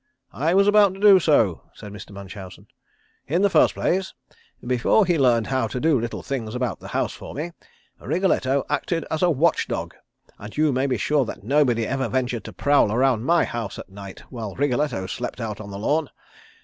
"I was about to do so," said Mr. Munchausen. "In the first place, before he learned how to do little things about the house for me, Wriggletto acted as a watch dog and you may be sure that nobody ever ventured to prowl around my house at night while Wriggletto slept out on the lawn.